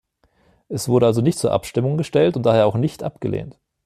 Er wurde also nicht zur Abstimmung gestellt und daher auch nicht abgelehnt.